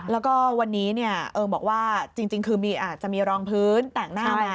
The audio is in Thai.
แล้วก็วันนี้เอิงบอกว่าจริงคืออาจจะมีรองพื้นแต่งหน้ามา